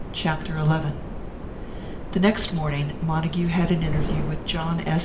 CHAPTER XI THE next morning Montague had an interview with John S.